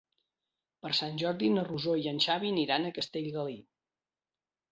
Per Sant Jordi na Rosó i en Xavi aniran a Castellgalí.